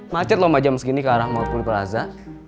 macet loh mbak jam segini ke arah mawut pulau perasa